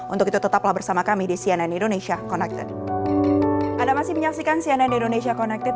untuk itu tetaplah bersama kami di cnn indonesia connected